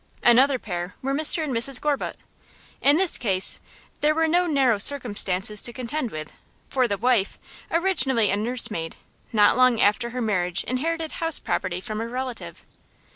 Another pair were Mr and Mrs Gorbutt. In this case there were no narrow circumstances to contend with, for the wife, originally a nursemaid, not long after her marriage inherited house property from a relative.